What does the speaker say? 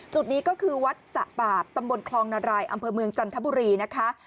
จุดนี้ก็คือวัดสะปาบตำบลคลองนารายอำเภอเมืองจันทบุรีนะคะ